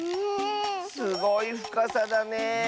すごいふかさだね。